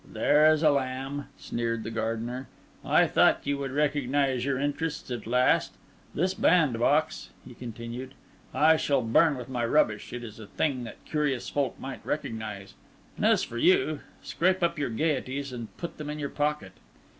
"There is a lamb," sneered the gardener. "I thought you would recognise your interests at last. This bandbox," he continued, "I shall burn with my rubbish; it is a thing that curious folk might recognise; and as for you, scrape up your gaieties and put them in your pocket."